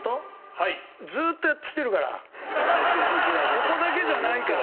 ここだけじゃないから。